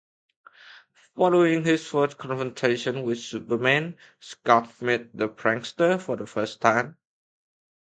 Following his first confrontation with Superman, Schott met the Prankster for the first time.